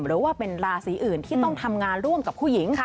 หรือว่าเป็นราศีอื่นที่ต้องทำงานร่วมกับผู้หญิง